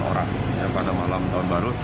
orang pada malam tahun baru